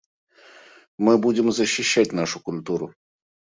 Мы будем защищать нашу культуру.